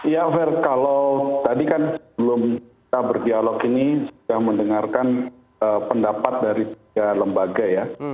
ya fair kalau tadi kan sebelum kita berdialog ini sudah mendengarkan pendapat dari tiga lembaga ya